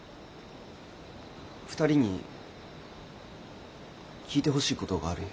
２人に聞いてほしい事があるんよ。